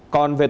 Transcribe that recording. còn về tội